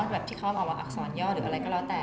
แบบที่เขาออกมาอักษรย่อหรืออะไรก็แล้วแต่